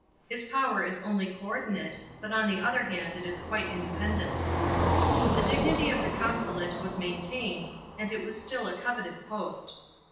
His power is only co ordinate, but on the other hand it is quite independent. The dignity of the consulate was maintained, and it was still a coveted post.